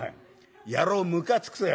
野郎むかつくとよ」。